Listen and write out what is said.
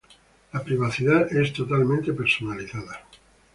La privacidad es totalmente personalizable.